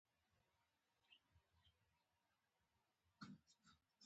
هایټي د دولت پاشلتیا تجربه کړې.